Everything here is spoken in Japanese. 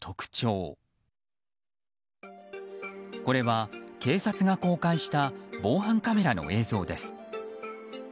これは警察が公開した防犯カメラの映像です。